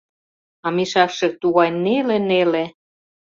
А мешакше тугай неле-неле.